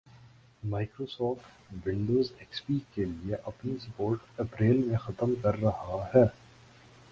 Microsoft, Windows XP پی کے لئے اپنی سپورٹ اپریل میں ختم کررہا ہے